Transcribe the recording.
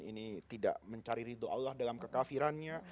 ini tidak mencari ridho allah dalam kekafirannya